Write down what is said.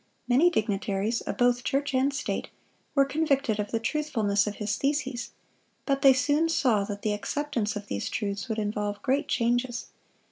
Many dignitaries, of both church and state, were convicted of the truthfulness of his theses; but they soon saw that the acceptance of these truths would involve great changes.